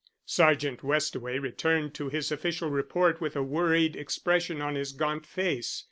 Sergeant Westaway returned to his official report with a worried expression on his gaunt face.